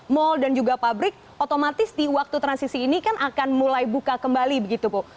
mal dan juga pabrik otomatis di waktu transisi ini kan akan mulai buka kembali begitu bu